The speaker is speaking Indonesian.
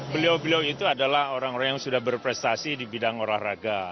beliau beliau itu adalah orang orang yang sudah berprestasi di bidang olahraga